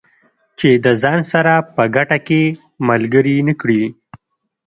چې د ځان سره په ګټه کې ملګري نه کړي.